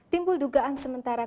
timbul dugaan sementara